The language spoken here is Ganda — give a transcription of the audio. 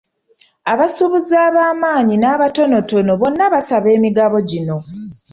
Abasuubuzi ab'amaanyi n'abatonotono bonna basaba emigabo gino.